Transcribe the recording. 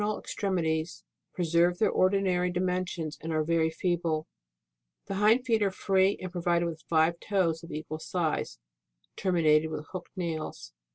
The posterior or abdominal extremities preserve their ordi nary dimensions, and are very feeble : the hind feet are free and provided with rive small toes of equal size, terminated with hooked nails.